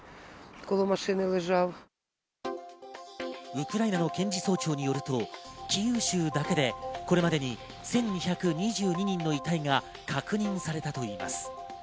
ウクライナの検事総長によるとキーウ州だけで、これまでに１２２２人の遺体が確認されたといいます。